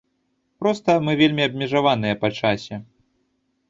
Проста, мы вельмі абмежаваныя па часе.